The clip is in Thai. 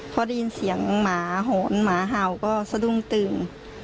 พอได้ยินเสียงหวนหมาเฮาก็สะดุ้งตึง